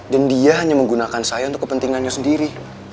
dia hanya menggunakan saya untuk kepentingannya sendiri